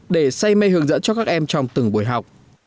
để say mê hướng dẫn cho các em trong từng buổi học